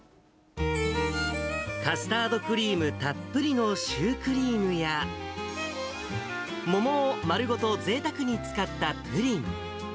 カスタードクリームたっぷりのシュークリームや、桃を丸ごとぜいたくに使ったプリン。